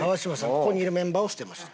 ここにいるメンバーを捨てました。